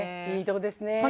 いいとこですね。